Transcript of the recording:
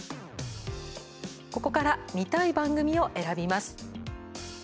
ここから見たい番組を選びます。